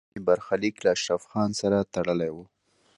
تقدیر د مینې برخلیک له اشرف خان سره تړلی و